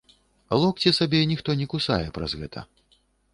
Локці сабе ніхто не кусае праз гэта.